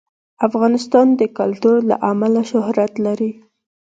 افغانستان د کلتور له امله شهرت لري.